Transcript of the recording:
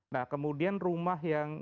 nah kemudian rumah yang